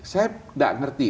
saya tidak mengerti